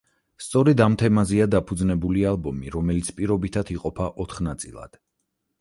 სწორედ ამ თემაზეა დაფუძნებული ალბომი, რომელიც პირობითად იყოფა ოთხ ნაწილად.